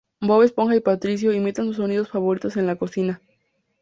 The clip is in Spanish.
Bob Esponja y Patricio imitaban sus sonidos favoritos en la cocina.